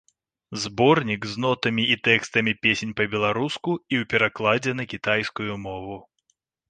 Зборнік з нотамі і тэкстамі песень па-беларуску і ў перакладзе на кітайскую мову.